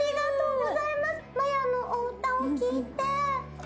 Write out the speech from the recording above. まやのお歌を聴いて。